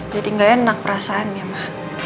jadi gak enak perasaan ya ma